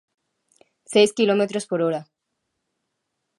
Seis quilómetros por hora.